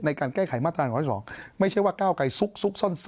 ในการแก้ไขมาตรา๑๑๒ไม่ใช่ว่าก้าวไกรซุกซ่อน